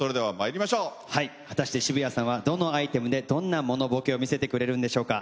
果たして渋谷さんはどのアイテムでどんな物ぼけを見せてくれるんでしょうか。